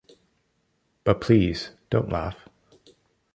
But please don't laugh!